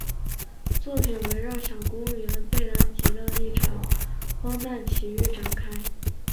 作品围绕小公务员贝兰吉的一场荒诞奇遇展开。